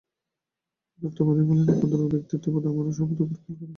অদ্বৈতবাদী বলেন, এই ক্ষুদ্র ব্যক্তিত্ববোধই আমার সব দুঃখের মূল কারণ।